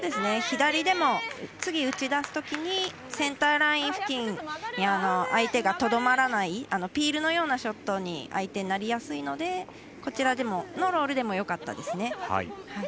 左でも次、打ち出すときにセンターライン付近に相手がとどまらないピールのようなショットに相手なりやすいのでこちらのロールでもよかったですね。